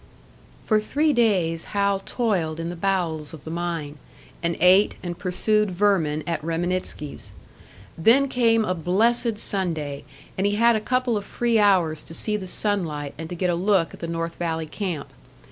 For three days Hal toiled in the bowels of the mine, and ate and pursued vermin at Reminitsky's. Then came a blessed Sunday, and he had a couple of free hours to see the sunlight and to get a look at the North Valley camp.